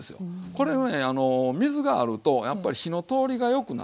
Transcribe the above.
これねあの水があるとやっぱり火の通りがよくなるんですね。